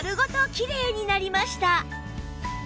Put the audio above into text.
きれいになりました